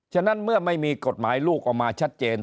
ฉะนั้นเมื่อไม่มีกฎหมายลูกออกมาชัดเจน